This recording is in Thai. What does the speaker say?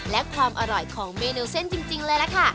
และความอร่อยของเมนูเส้นจริงเลยล่ะค่ะ